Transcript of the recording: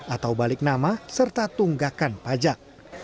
atau balik nama serta tunggakan pajak